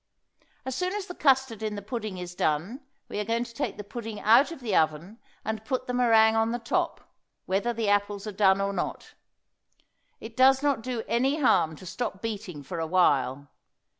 As soon as the custard in the pudding is done we are going to take the pudding out of the oven, and put the meringue on the top, whether the apples are done or not. It does not do any harm to stop beating for awhile.